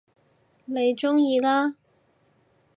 你鍾意啦